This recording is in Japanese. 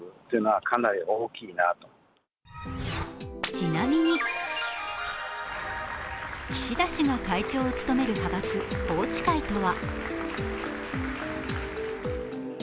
ちなみに、岸田氏が会長を務める派閥宏池会とは。